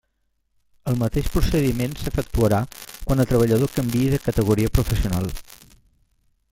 El mateix procediment s'efectuarà quan el treballador canviï de categoria professional.